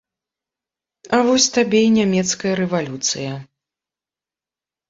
А вось табе і нямецкая рэвалюцыя!